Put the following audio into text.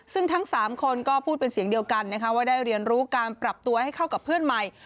ซึ่งทั้ง๓คนก็พูดเป็นเสียงเดียวกันนะคะว่าได้เรียนรู้การปรับตัวให้เข้ากับเพื่อนใหม่